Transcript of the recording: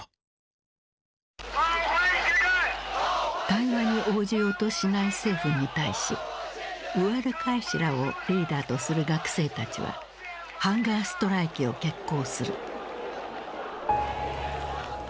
対話に応じようとしない政府に対しウアルカイシらをリーダーとする学生たちはハンガーストライキを決行する。